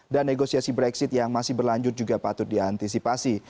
dan negosiasi brexit yang masih berlanjut juga patut diantisipasi